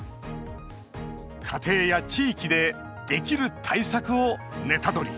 家庭や地域でできる対策をネタドリ！